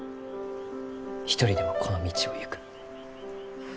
一人でもこの道を行く。